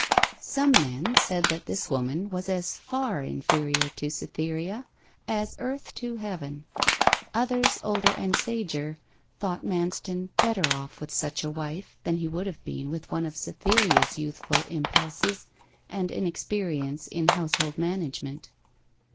Some men said that this woman was as far inferior to Cytherea as earth to heaven; others, older and sager, thought Manston better off with such a wife than he would have been with one of Cytherea's youthful impulses, and inexperience in household management.